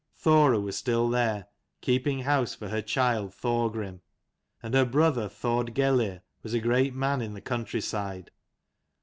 Thora was still there, keeping house for her child Thorgrim; and her brother Thord Gellir was a great man in the country side.